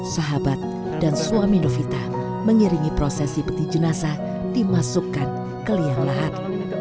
sahabat dan suami novita mengiringi prosesi peti jenazah dimasukkan ke liang lahat